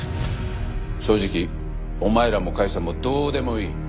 正直お前らも甲斐さんもどうでもいい。